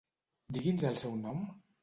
Digui'ns el seu nom?